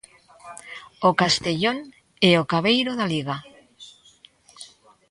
O Castellón é o cabeiro da Liga.